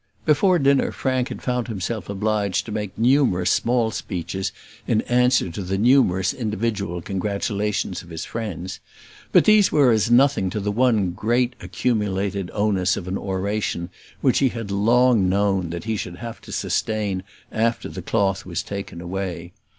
Before dinner Frank had found himself obliged to make numerous small speeches in answer to the numerous individual congratulations of his friends; but these were as nothing to the one great accumulated onus of an oration which he had long known that he should have to sustain after the cloth was taken away.